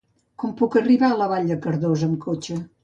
Com puc arribar a Vall de Cardós amb cotxe?